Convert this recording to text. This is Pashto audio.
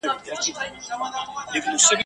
او نه معنوي مرسته ورسره کړې ده ..